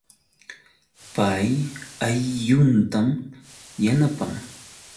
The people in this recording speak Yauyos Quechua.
Pay aylluntam yanapan